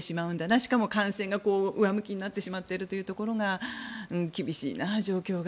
しかも感染が上向きになってしまっているというところが厳しいな、状況が。